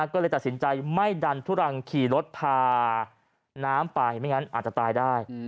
ก็เลยตัดสินใจไม่ดันทุรังขี่รถพาน้ำไปไม่งั้นอาจจะตายได้